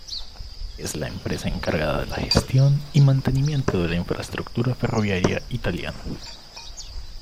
Es la empresa encargada de la gestión y mantenimiento de la infraestructura ferroviaria italiana.